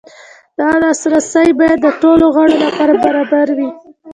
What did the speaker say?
دا لاسرسی باید د ټولو غړو لپاره برابر وي.